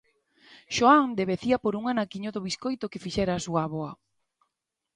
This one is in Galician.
Xoán devecía por un anaquiño do biscoito que fixera a súa avoa.